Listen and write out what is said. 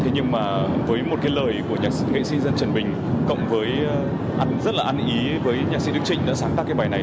nhưng mà với một lời của nghệ sĩ dân trần bình cộng với rất là ăn ý với nhạc sĩ đức trịnh đã sáng tác bài này